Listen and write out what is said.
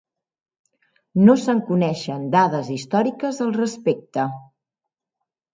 No se'n coneixen dades històriques al respecte.